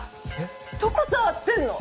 どこ触ってんの？